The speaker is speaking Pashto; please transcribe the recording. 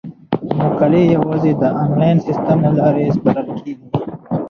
مقالې یوازې د انلاین سیستم له لارې سپارل کیږي.